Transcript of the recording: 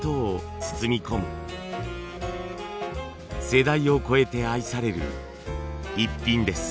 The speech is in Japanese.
世代を超えて愛されるイッピンです。